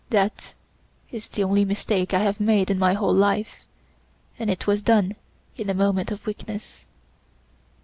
That is the only mistake I have made in my whole life and it was done in a moment of weakness.